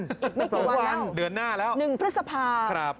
อีกไม่กี่วันแล้วเดือนหน้าแล้วหนึ่งพฤษภาครับ